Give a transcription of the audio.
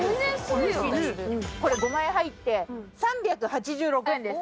これ５枚入って３８６円です。